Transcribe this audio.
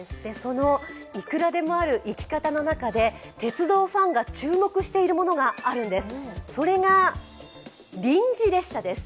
いくらでもある行き方の中で鉄道ファンが注目しているものがあるんです。